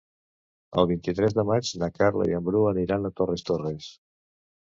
El vint-i-tres de maig na Carla i en Bru aniran a Torres Torres.